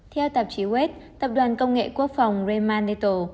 theo tạp chí west tập đoàn công nghệ quốc phòng ramanet